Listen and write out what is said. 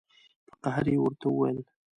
په قهر یې ورته وویل.